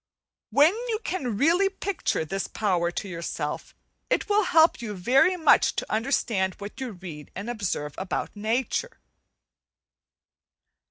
When you can really picture this power to yourself it will help you very much to understand what you read and observe about nature.